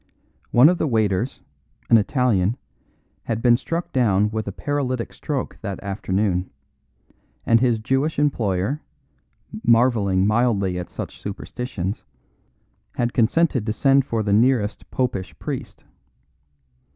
One of the waiters, an Italian, had been struck down with a paralytic stroke that afternoon; and his Jewish employer, marvelling mildly at such superstitions, had consented to send for the nearest Popish priest.